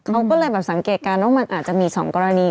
เขาก็เลยแบบสังเกตการณ์ว่ามันอาจจะมี๒กรณี